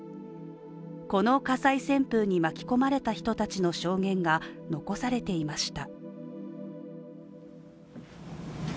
この火災旋風に巻き込まれた人たちの証言が残されていました。